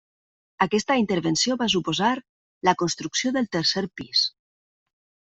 Aquesta intervenció va suposar la construcció del tercer pis.